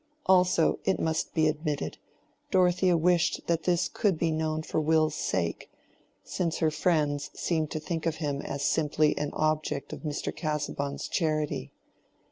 Also, it must be admitted, Dorothea wished that this could be known for Will's sake, since her friends seemed to think of him as simply an object of Mr. Casaubon's charity.